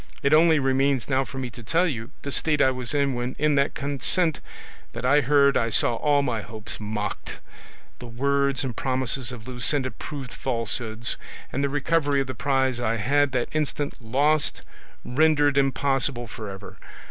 It only remains now for me to tell you the state I was in when in that consent that I heard I saw all my hopes mocked, the words and promises of Luscinda proved falsehoods, and the recovery of the prize I had that instant lost rendered impossible for ever.